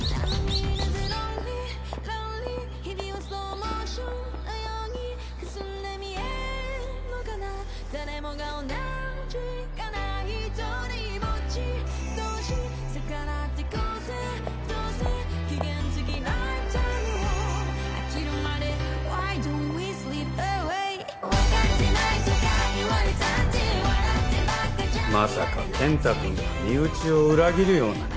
まさか健太君が身内を裏切るような人間とはね。